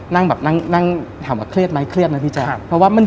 นั่งแบบนั่งนั่งถามว่าเครียดไหมเครียดนะพี่แจ๊คเพราะว่ามัน